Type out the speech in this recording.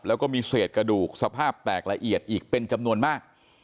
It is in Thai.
แล้วก็มีเศษกระดูกสภาพแตกละเอียดอีกเป็นจำนวนมาก